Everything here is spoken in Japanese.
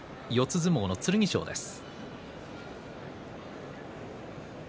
相撲の剣翔です。